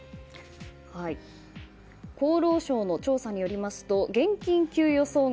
厚労省の調査によりますと現金給与総額、